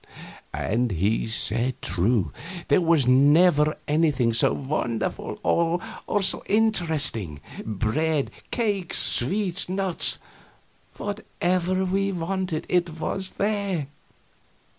And he said true. There was never anything so wonderful and so interesting. Bread, cakes, sweets, nuts whatever one wanted, it was there.